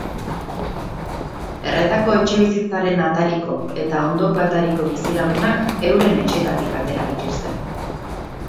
Erretako etxebizitzaren atariko eta ondoko atariko bizilagunak euren etxeetatik atera dituzte.